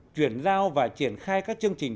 chuyển giao và triển khai các chương trình